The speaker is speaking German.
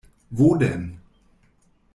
Wo denn?